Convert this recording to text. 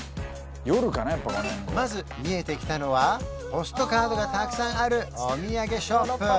まず見えてきたのはポストカードがたくさんあるお土産ショップ